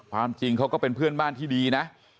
ความจริงเขาก็เป็นเพื่อนบ้านที่ดีนะ